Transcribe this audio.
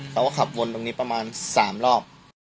เราก็ขับวนตรงนี้ประมาณ๓รอบ